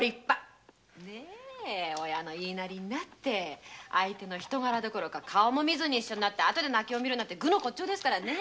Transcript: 親の言いなりになって相手の人柄所か顔も見ずに一緒になって後で泣きをみるなんて愚の骨頂ですからね！